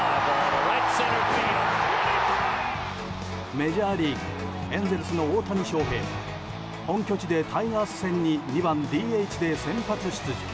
メジャーリーグエンゼルスの大谷翔平は本拠地でタイガース戦に２番ＤＨで先発出場。